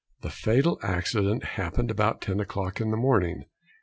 The fatal accident happened about ten o'clock in the morning.